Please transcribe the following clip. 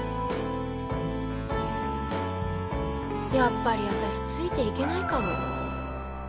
やっぱり私ついていけないかも